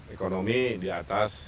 ekonomi di atas